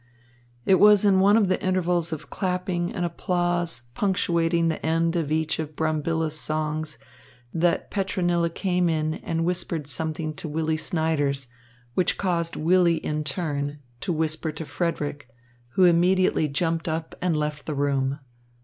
It was in one of the intervals of clapping and applause punctuating the end of each of Brambilla's songs, that Petronilla came in and whispered something to Willy Snyders, which caused Willy in turn to whisper to Frederick, who immediately jumped up and left the room.